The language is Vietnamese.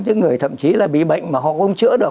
những người thậm chí là bị bệnh mà họ không chữa được